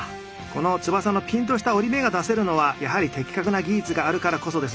この翼のピンとした折り目が出せるのはやはり的確な技術があるからこそですね。